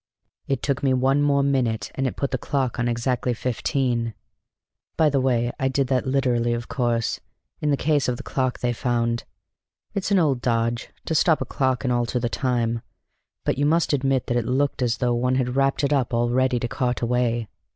"It took me one more minute, and it put the clock on exactly fifteen. By the way, I did that literally, of course, in the case of the clock they found. It's an old dodge, to stop a clock and alter the time; but you must admit that it looked as though one had wrapped it up all ready to cart away.